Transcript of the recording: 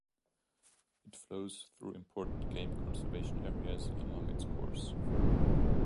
It flows through important game conservation areas along its course.